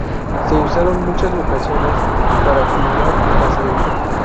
Se usaron muchas locaciones para filmar la serie.